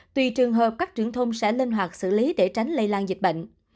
tùy trường hợp các trưởng thông sẽ lên hoạt xử lý để tránh lây lan dịch bệnh